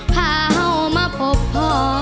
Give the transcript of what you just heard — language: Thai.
พาเข้ามาพบพ่อ